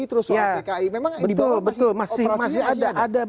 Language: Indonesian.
terus orang pki memang dibawah masih operasi